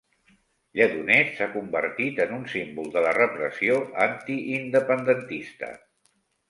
Lledoners s'ha convertit en un símbol de la repressió antiindependentista.